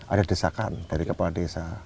ada desakan dari kepala desa